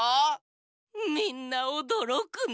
みんなおどろくね。